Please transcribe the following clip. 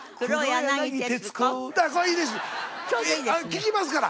聞きますから！